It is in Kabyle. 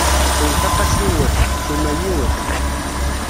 Wwet a qasi wwet, ssuma yiwet!